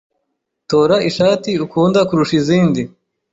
Tora ishati ukunda kurusha izindi.